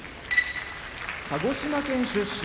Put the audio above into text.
鹿児島県出身